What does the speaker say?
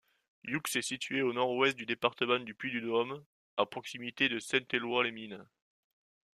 Youx est située au nord-ouest du département du Puy-de-Dôme, à proximité de Saint-Éloy-les-Mines.